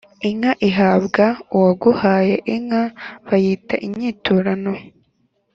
Inka ihabwa uwaguhaye inka bayita inyiturano